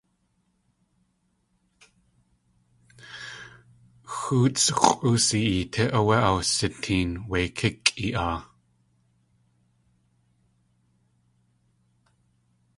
Xóots x̲ʼus.eetí áwé awsiteen wé kíkʼi aa.